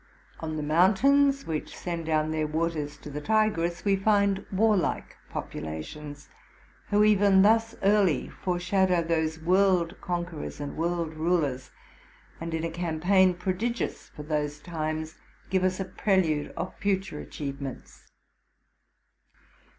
On the mountains which send down their waters to the Tigris. we find warlike populations, who even thus early foreshadow those world conquerors anid world rulers, and in a campaign, prodigious for those times, give us a prelude of future achievements.